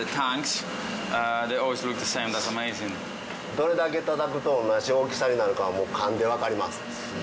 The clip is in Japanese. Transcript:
どれだけ叩くと同じ大きさになるかはもう勘でわかります。